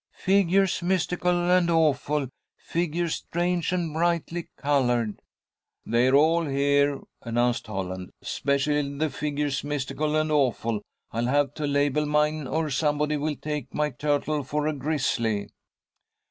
"Figures mystical and awful, Figures strange and brightly coloured." "They're all here," announced Holland, "specially the figures mystical and awful. I'll have to label mine, or somebody will take my turtle for a grizzly."